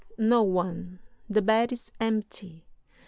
No one; the bed is empty.